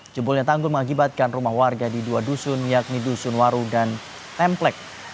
jebolnya tanggul mengakibatkan rumah warga di dua dusun yakni dusun waru dan templek